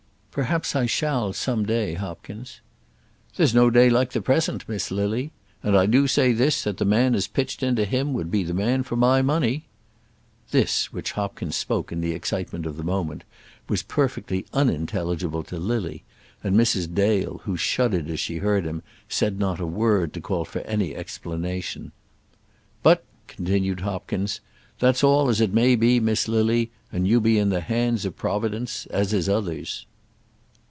"Perhaps I shall, some day, Hopkins." "There's no day like the present, Miss Lily. And I do say this, that the man as pitched into him would be the man for my money." This, which Hopkins spoke in the excitement of the moment, was perfectly unintelligible to Lily, and Mrs. Dale, who shuddered as she heard him, said not a word to call for any explanation. "But," continued Hopkins, "that's all as it may be, Miss Lily, and you be in the hands of Providence, as is others."